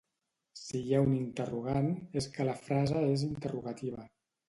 si hi ha un interrogant és que la frase és interrogativa